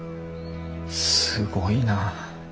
すごいな。